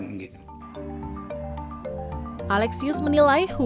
alexius menilai hubungan ratu elisabeth ii dengan ratu elisabeth ii